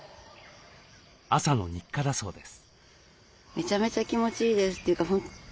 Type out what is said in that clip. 朝の日課だそうです。